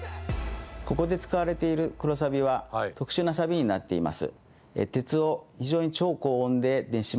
ここで使われている黒サビは特殊なサビになっています。